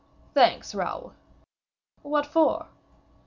"Thanks, Raoul." "What for?"